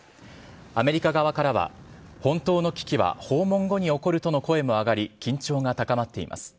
アメリカ側からは本当の危機は訪問後に起こるとの声も上がり緊張が高まっています。